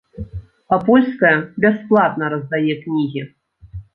А польская бясплатна раздае кнігі!